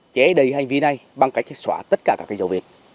ché đầy hành vi này bằng cách xóa tất cả các dầu việt